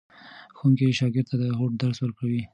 ښوونکی شاګرد ته د هوډ درس ورکوي.